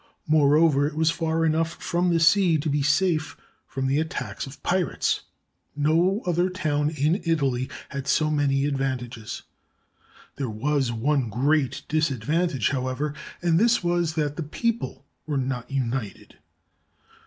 Moreover, it was far enough from the sea to be safe from the attacks of pirates. No other town in Italy had so many advantages. There was one great disadvantage, however, and this was that the people were not united.